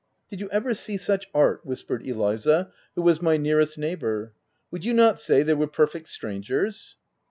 "Did you ever see such art !" whispered Eliza, who was my nearest neighbour. "Would you not say they were perfect strangers